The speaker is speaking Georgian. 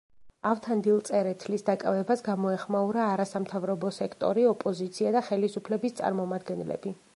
ავთანდილ წერეთლის დაკავებას გამოეხმაურა არასამთავრობო სექტორი, ოპოზიცია და ხელისუფლების წარმომადგენლები.